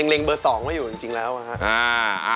เล็งเบอร์๒ไว้อยู่จริงแล้วนะครับ